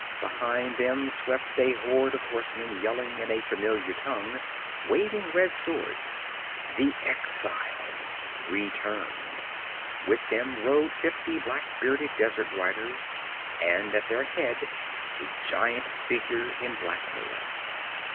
Behind them swept a horde of horsemen yelling in a familiar tongue, waving red swords the exiles, returned! With them rode fifty black bearded desert riders, and at their head a giant figure in black mail.